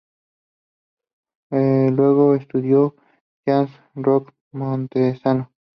Luego estudió jazz con Rocco Montesano.